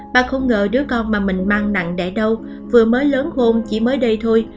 bà không ngờ đứa con mà mình mang nặng đẻ đau vừa mới lớn hôn chỉ mới đây thôi